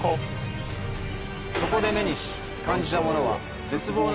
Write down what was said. そこで目にし感じたものは絶望の。